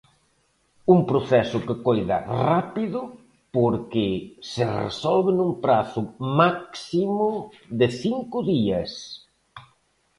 Un proceso que coida "rápido" porque "se resolve nun prazo máximo de cinco días".